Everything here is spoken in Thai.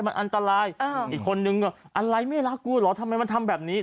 มันอันตรายอีกคนนึงก็อะไรไม่รักกูเหรอทำไมมันทำแบบนี้